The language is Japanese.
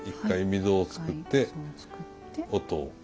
１回溝を作って音を。